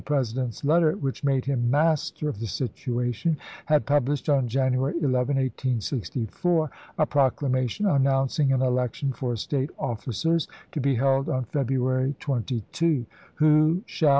President's letter which made him " master" of the situation, had published, on January 11, 1864, a proclamation, announcing an election for State officers to be held on February 22, " who shall, i864.